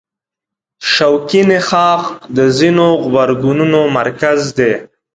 شوکي نخاع د ځینو غبرګونونو مرکز دی.